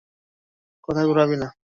কথা ঘুরাবি না।